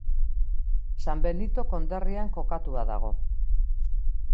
San Benito konderrian kokatua dago.